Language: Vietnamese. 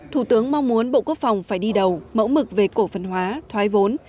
thủ tướng mong muốn bộ quốc phòng phải đi đầu mẫu mực về cổ phần hóa thoái vốn